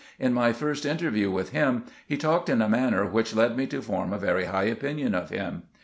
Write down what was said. In my first interview with him he talked in a manner which led me to form a very high opinion of him.